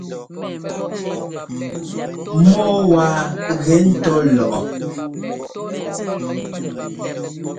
Mɔ́ɔ waa gɛ́ ńtɔ́ lɔʼɔ.